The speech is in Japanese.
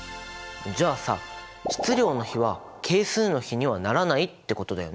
じゃあさ質量の比は係数の比にはならないってことだよね。